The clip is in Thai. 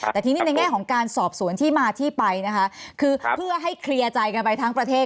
แต่ทีนี้ในแง่ของการสอบสวนที่มาที่ไปนะคะคือเพื่อให้เคลียร์ใจกันไปทั้งประเทศ